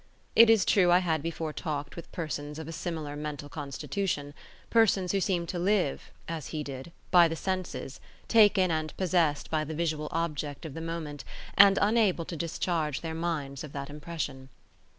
It is true I had before talked with persons of a similar mental constitution; persons who seemed to live (as he did) by the senses, taken and possessed by the visual object of the moment and unable to discharge their minds of that impression.